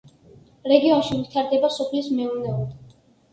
რეგიონში ვითარდება სოფლის მეურნეობა.